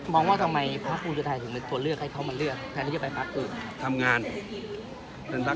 มองว่าทำไมพระครูจะถ่ายถึงเป็นส่วนเลือกให้เขามาเลือกแทนที่จะไปฟักตัว